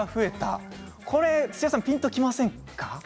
土屋さん、ピンときませんか？